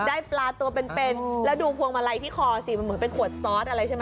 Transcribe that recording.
ได้ปลาตัวเป็นเป็นแล้วดูพวงมาลัยที่คอสิมันเหมือนเป็นขวดซอสอะไรใช่ไหม